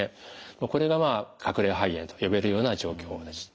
これが隠れ肺炎と呼べるような状況です。